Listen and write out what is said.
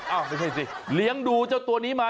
ไม่ใช่สิเลี้ยงดูเจ้าตัวนี้มา